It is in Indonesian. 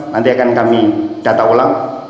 nanti akan kami data ulang